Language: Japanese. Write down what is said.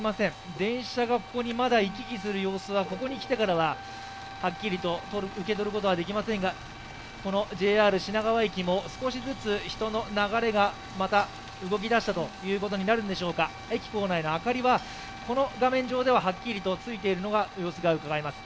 電車がここにまだ行き来する様子はここに来てからははっきりと受け取ることはできませんが、このＪＲ品川駅も少しずつ人の流れがまた動き出したということになるんでしょうか、駅構内の灯りは、この画面上でははっきりとついているのがうかがえます。